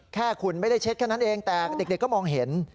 แค่คุณไม่ได้เช็ดแค่นั้นเองแต่เด็กก็มองเห็น